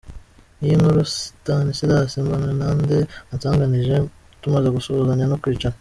Ngiyo inkuru Stanislas Mbanenande ansanganije, tumaze gusuhuzanya no kwicara.